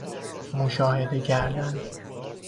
مشاهده کردن